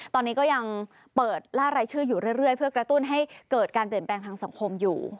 ตอนนี้ก็ยังเปิดล่ารายชื่ออยู่เรื่อยเพื่อกระตุ้นให้เกิดการเปลี่ยนแปลงทางสังคมอยู่